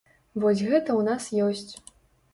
Вось гэта ў нас ёсць.